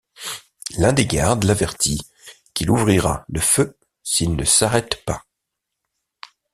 L'un des gardes l'avertit qu'il ouvrira le feu s'il ne s'arrête pas.